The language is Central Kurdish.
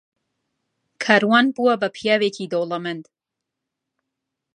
کاروان بووە بە پیاوێکی دەوڵەمەند.